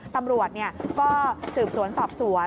ตำรวจก็สืบสวนสอบสวน